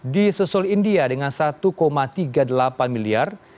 di susul india dengan satu tiga puluh delapan miliar